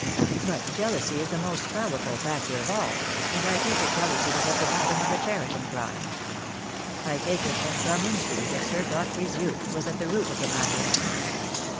But jealousy is the most powerful factor of all, and I take it jealousy was at the bottom of the Cheriton crime. I take it that some intrigue of Sir Godfrey's youth was at the root of the matter."